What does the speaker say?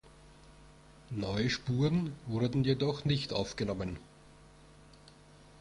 Neue Spuren wurden jedoch nicht aufgenommen.